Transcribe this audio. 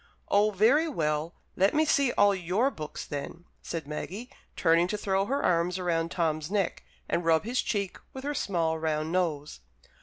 "Oh, very well! Let me see all your books, then," said Maggie, turning to throw her arms round Tom's neck, and rub his cheek with her small, round nose.